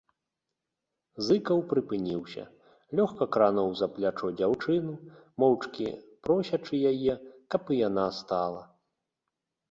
Зыкаў прыпыніўся, лёгка крануў за плячо дзяўчыну, моўчкі просячы яе, каб і яна стала.